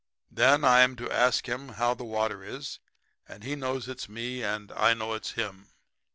Then I am to ask him how the water is, and he knows it's me and I know it's him.'